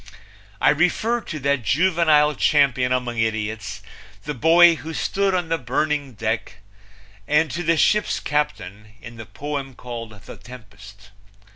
I refer to that juvenile champion among idiots, the boy who stood on the burning deck, and to the ship's captain in the poem called The Tempest.